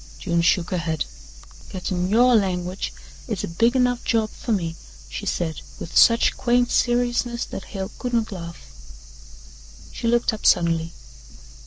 June shook her head. "Gettin' YOUR language is a big enough job fer me," she said with such quaint seriousness that Hale could not laugh. She looked up suddenly.